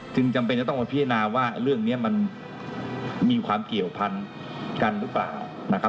จำเป็นจะต้องมาพิจารณาว่าเรื่องนี้มันมีความเกี่ยวพันกันหรือเปล่านะครับ